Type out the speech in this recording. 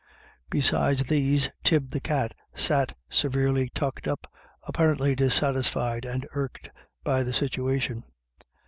Beside these Tib the black cat sat severely tucked up, apparently dissatisfied and irked by the situation.